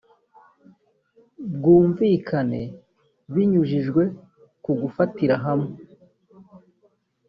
bwumvikane binyujijwe ku gufatira hamwe